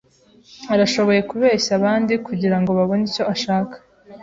Arashoboye kubeshya abandi kugirango babone icyo ashaka.